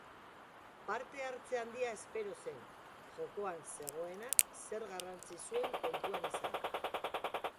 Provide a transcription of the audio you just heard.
Parte hartze handia espero zen, jokoan zegoenak zer garrantzi zuen kontuan izanda.